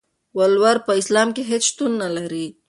ولور په اسلام کې هيڅ شتون نلري.